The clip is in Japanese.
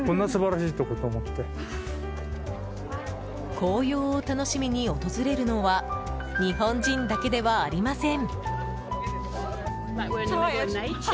紅葉を楽しみに訪れるのは日本人だけではありません。